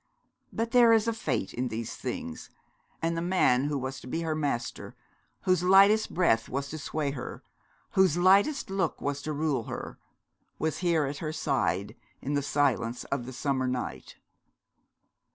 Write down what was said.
But there is a fate in these things; and the man who was to be her master, whose lightest breath was to sway her, whose lightest look was to rule her, was here at her side in the silence of the summer night.